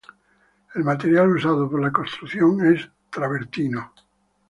El material usado para la construcción es travertino.